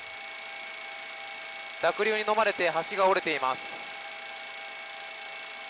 濁流にのまれて橋が折れています。